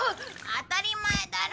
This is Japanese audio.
当たり前だろ。